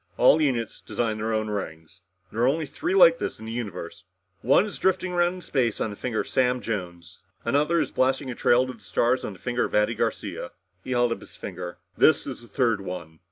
"All units design their own rings. There are only three like this in the universe. One is drifting around in space on the finger of Sam Jones. Another is blasting a trail to the stars on the finger of Addy Garcia." He held up his finger. "This is the third one."